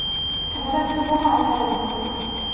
友達とご飯を食べに行く